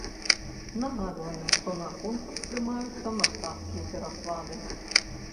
Нагадваем, што на конкурс прымаюцца мастацкія пераклады.